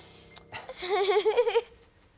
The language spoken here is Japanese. ウフフフ。